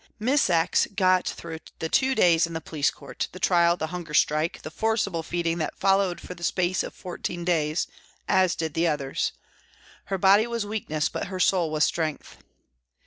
Miss X. got through the two days in the police court, the trial, the hunger strike, and the forcible feeding that followed for the space of fourteen days, as did the others. Her body was weakness, but her soul was strength.